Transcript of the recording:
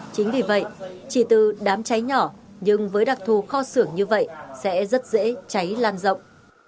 chính vì vậy chỉ từ đám cháy nhỏ nhưng với đặc thù kho xưởng như vậy sẽ rất dễ cháy lan rộng